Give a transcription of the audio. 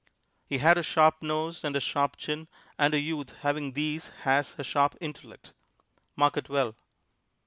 He had a sharp nose and a sharp chin; and a youth having these has a sharp intellect mark it well.